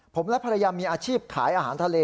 ผมและภรรยามีอาชีพขายอาหารทะเล